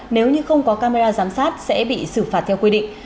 nếu như không có camera giám sát sẽ bị xử phạt theo quy định